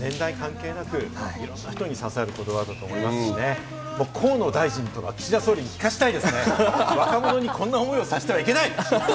年代関係なく人に刺さる言葉だと思いますしね、河野大臣とか岸田総理に聴かせたいですね、若者にこんな思いをさせてはいけない！